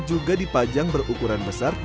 juga dipajang berukuran besar